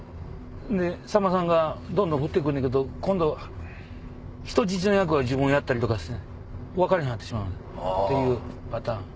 でさんまさんがどんどんふって来んねんけど今度人質の役自分やったりとかして分かれへんようになってしまうっていうパターン。